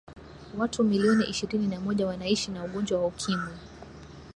watu milioni ishirini na moja wanaishi na ugonjwa wa ukimwi